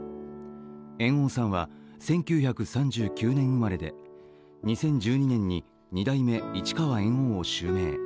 猿翁さんは１９３９年生まれで、２０１２年に二代目・市川猿翁を襲名。